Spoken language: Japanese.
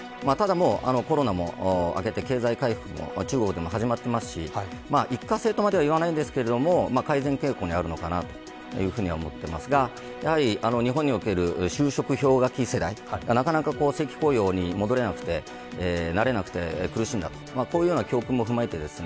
ただ、コロナも明けて経済回復も中国でも始まってますし一過性までとは言いませんけれども改善傾向にあるのかなと思っていますが日本における就職氷河期世代がなかなか正規雇用に戻れなくてなれなくて苦しんだと。